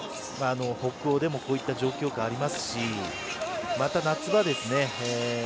北欧でもこういう状況はありますしまた、夏場ですね。